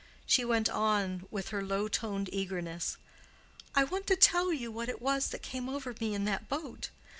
She went on with her low toned eagerness, "I want to tell you what it was that came over me in that boat.